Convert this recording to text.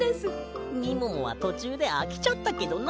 みももはとちゅうであきちゃったけどな。